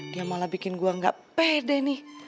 dia malah bikin gua gak pede nih